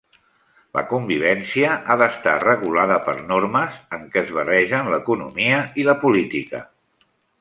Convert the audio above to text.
La convivència ha d'estar regulada per normes, en què es barregen l'economia i la política.